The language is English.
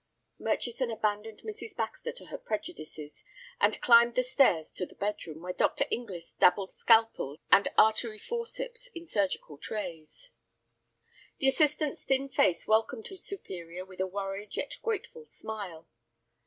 Murchison abandoned Mrs. Baxter to her prejudices, and climbed the stairs to the bedroom, where Dr. Inglis dabbled scalpels and artery forceps in surgical trays. The assistant's thin face welcomed his superior with a worried yet grateful smile.